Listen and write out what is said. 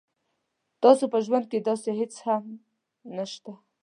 تاسو په ژوند کې داسې هیڅ څه هم نشته